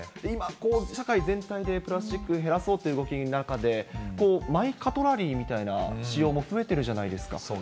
今、社会全体でプラスチック減らそうという動きの中で、マイカトラリーみたいな使用も増えているじゃないですか。